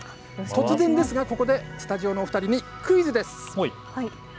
突然ですがここで、スタジオのお二人にクイズです。